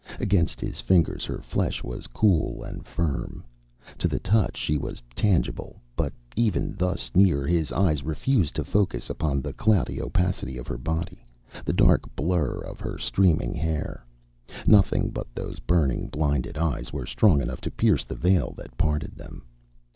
Against his fingers her flesh was cool and firm. To the touch she was tangible, but even thus near, his eyes refused to focus upon the cloudy opacity of her body, the dark blur of her streaming hair. Nothing but those burning, blinded eyes were strong enough to pierce the veil that parted them.